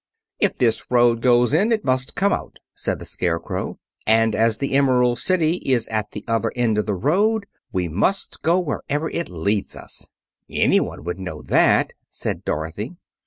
"If this road goes in, it must come out," said the Scarecrow, "and as the Emerald City is at the other end of the road, we must go wherever it leads us." "Anyone would know that," said Dorothy.